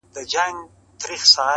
خپه په دې يم چي زه مرمه او پاتيږي ژوند.